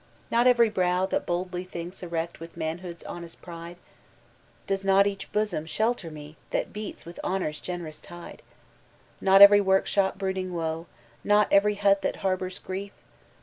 Not every brow that boldly thinks erect with manhood's honest pridef Does not eadi bosom Adter mt that beats with honor's gcn eroos tide? Not every workshop brooding woe» not every hot that harbors grief?